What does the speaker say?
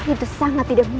itu sangat tidak mungkin